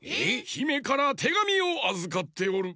ひめからてがみをあずかっておる。